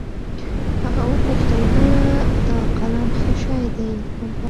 هغه وپوښتل ګوره دا قلم ښه شى ديه که بد.